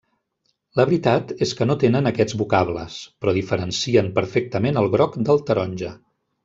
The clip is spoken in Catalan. La veritat és que no tenen aquests vocables, però diferencien perfectament el groc del taronja.